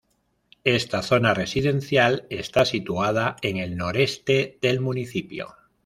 Esta zona residencial está situada en el noreste del municipio.